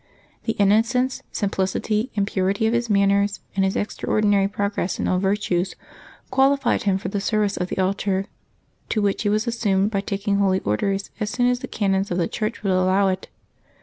The innocence, simplicity, and purity of his manners, and his extraordi nary progress in all virtues, qualified him for the service of the altar, to which he was assumed by taking Holy Orders as soon as the canons of the Church would allow it.